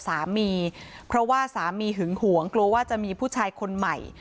สามีเพราะว่าสามีหึงหวงกลัวว่าจะมีผู้ชายคนใหม่